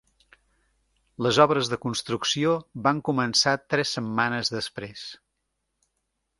Les obres de construcció van començar tres setmanes després.